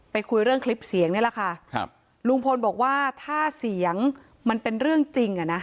คุยเรื่องคลิปเสียงนี่แหละค่ะครับลุงพลบอกว่าถ้าเสียงมันเป็นเรื่องจริงอ่ะนะ